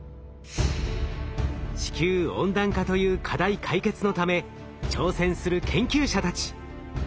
地球温暖化という課題解決のため挑戦する研究者たち。